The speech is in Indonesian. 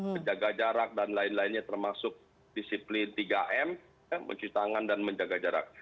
menjaga jarak dan lain lainnya termasuk disiplin tiga m mencuci tangan dan menjaga jarak